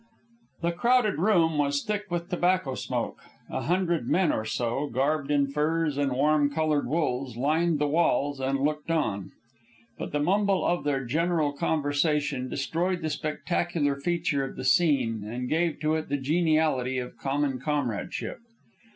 The crowded room was thick with tobacco smoke. A hundred men or so, garbed in furs and warm colored wools, lined the walls and looked on. But the mumble of their general conversation destroyed the spectacular feature of the scene and gave to it the geniality of common comradeship.